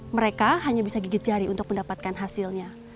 mereka hanya bisa gigit jari untuk mendapatkan hasilnya